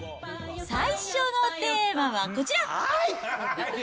最初のテーマはこちら。